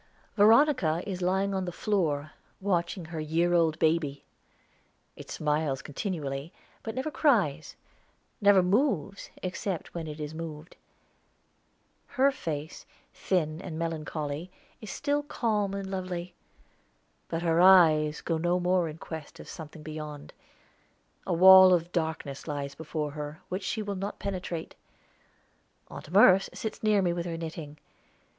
Veronica is lying on the floor watching her year old baby. It smiles continually, but never cries, never moves, except when it is moved. Her face, thin and melancholy, is still calm and lovely. But her eyes go no more in quest of something beyond. A wall of darkness lies before her, which she will not penetrate. Aunt Merce sits near me with her knitting.